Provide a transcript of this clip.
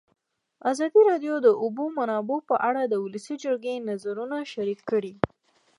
ازادي راډیو د د اوبو منابع په اړه د ولسي جرګې نظرونه شریک کړي.